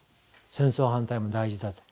戦争反対も大事だと。